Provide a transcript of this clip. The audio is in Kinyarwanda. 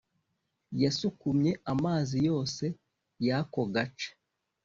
Yasukumye amazi yose yako gace